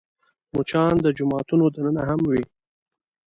مچان د جوماتونو دننه هم وي